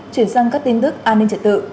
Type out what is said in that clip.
chuyển sang các tin tức an ninh trận tự